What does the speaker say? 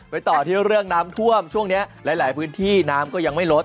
ต่อที่เรื่องน้ำท่วมช่วงนี้หลายพื้นที่น้ำก็ยังไม่ลด